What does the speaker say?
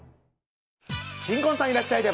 新婚さんいらっしゃい！